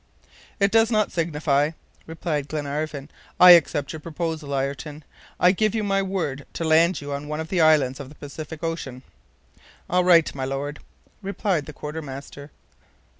"It does not signify," replied Glenarvan. "I accept your proposal, Ayrton. I give you my word to land you on one of the islands of the Pacific Ocean." "All right, my Lord," replied the quartermaster.